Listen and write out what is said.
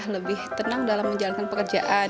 lebih tenang dalam menjalankan pekerjaan